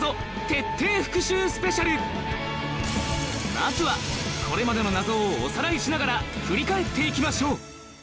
まずはこれまでの謎をおさらいしながら振り返って行きましょう！